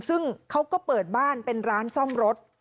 ซึ่งเขาก็เปิดบ้านเป็นร้านซ่อมรถ